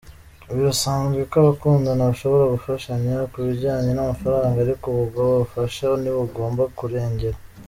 Birasanzwe ko abakundana bashobora gufashanya kubijyanye n’amafaranga ariko ubwo bufasha ntibugomba kurengera.